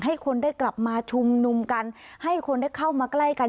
ให้คนได้กลับมาชุมนุมกันให้คนได้เข้ามาใกล้กัน